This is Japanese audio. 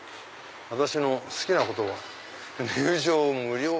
私の好きな言葉「入場無料」。